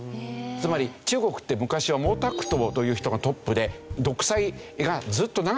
つまり中国って昔は毛沢東という人がトップで独裁がずっと長かった。